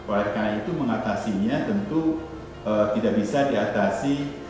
oleh karena itu mengatasinya tentu tidak bisa diatasi